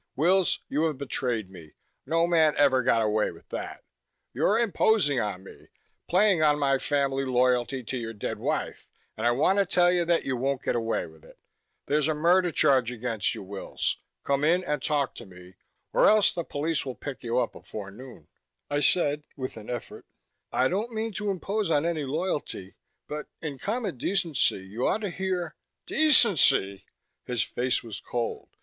"Wills, you have betrayed me. No man ever got away with that. You're imposing on me, playing on my family loyalty to your dead wife, and I want to tell you that you won't get away with it. There's a murder charge against you, Wills! Come in and talk to me or else the police will pick you up before noon." I said with an effort, "I don't mean to impose on any loyalty, but, in common decency, you ought to hear " "Decency!" His face was cold.